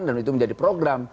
dan itu menjadi program